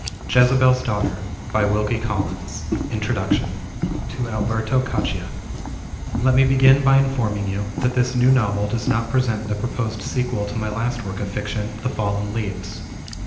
JEZEBEL'S DAUGHTER by Wilkie Collins TO ALBERTO CACCIA Let me begin by informing you, that this new novel does not present the proposed sequel to my last work of fiction "The Fallen Leaves."